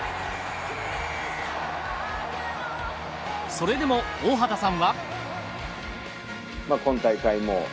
それでも、大畑さんは。